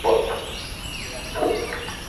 Hello, Ponni.